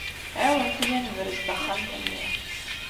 Ɛiwnet-iyi ad nebrez taxxamt-nni.